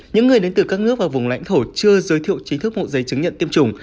những người đến từ các nước và vùng lãnh thổ chưa giới thiệu chính thức một giấy chứng nhận tiêm chủng